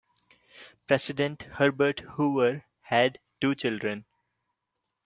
President Herbert Hoover had two children.